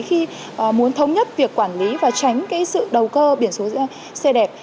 khi muốn thống nhất việc quản lý và tránh cái sự đầu cơ biển số xe đẹp